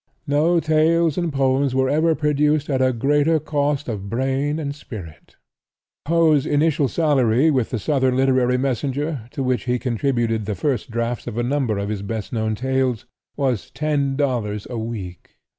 No tales and poems were ever produced at a greater cost of brain and spirit. Poe's initial salary with the "Southern Literary Messenger," to which he contributed the first drafts of a number of his best known tales, was $10 a week!